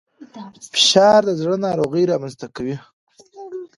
فشار د زړه ناروغۍ رامنځته کوي